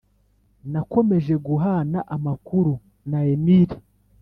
nakomeje guhana amakuru na emili